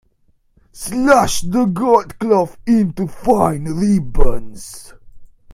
Slash the gold cloth into fine ribbons.